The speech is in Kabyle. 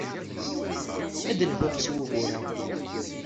Ad d-lhuɣ s wugur-a.